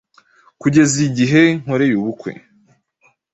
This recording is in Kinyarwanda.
kugeza igihe nkoreye ubukwe.”